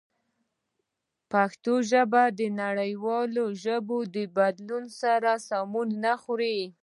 پښتو ژبه د نړیوالو ژبني بدلونونو سره سمون نه خوري.